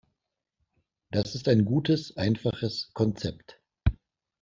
Das ist ein gutes, einfaches Konzept.